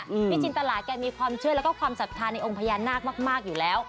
พี่จินตลาดแก่มีความเชื่อและความศักดิ์ทานในองค์พยานาคมากอยู่แล้ว